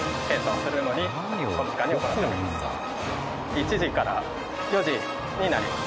１時から４時になります。